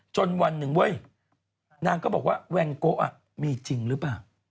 วันหนึ่งเว้ยนางก็บอกว่าแวงโกะมีจริงหรือเปล่า